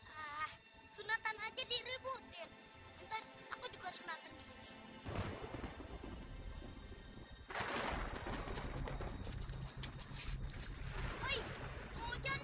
ah sunatan aja direbutin ntar aku juga senatan